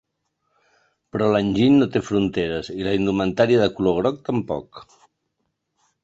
Però l’enginy no té fronteres i la indumentària de color groc tampoc.